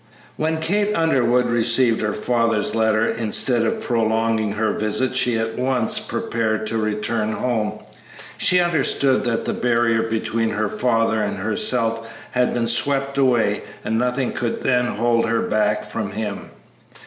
When Kate Underwood received her father's letter, instead of prolonging her visit she at once prepared to return home. She understood that the barrier between her father and herself had been swept away, and nothing could then hold her back from him.